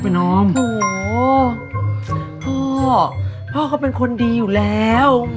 สับสนพ่อท่านมาเป็นคนดีอยู่แล้ว